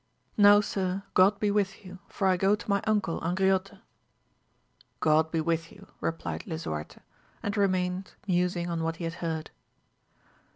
Now sir, God be with you, for I go to my uncle Angriote. God be with you, replied Lisuarte, and remained musing on what he had heard.